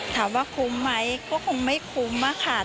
ถามว่าคุ้มไหมก็คงไม่คุ้มค่ะ